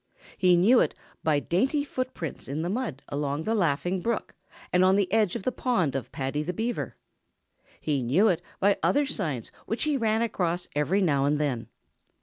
He knew it by dainty footprints in the mud along the Laughing Brook and on the edge of the pond of Paddy the Beaver. He knew it by other signs which he ran across every now and then.